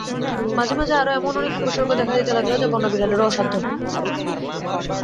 মাঝে মাঝে আরো এমন অনেক উপসর্গ দেখা দিতে লাগিল যা বন্য বিড়ালেরও অসাধ্য।